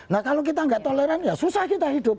nah kalau kita nggak toleran ya susah kita hidup